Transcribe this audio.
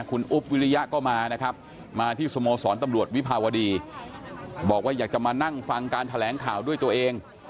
คุณอุ๊บวิริยะก็มานะครับมาที่สโมสรตำรวจวิภาวดีบอกว่าอยากจะมานั่งฟังการแถลงข่าวด้วยตัวเอง